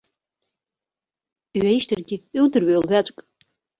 Иҩаишьҭыргьы иудыруеи лҩаҵәк?